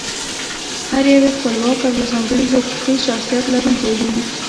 هر یو یې خپلواک او د ځانګړي حقوقي شخصیت لرونکی وي.